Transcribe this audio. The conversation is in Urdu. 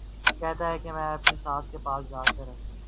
کہتا ہے کہ میں اپنی ساس کے پاس جا کے رہتا ہوں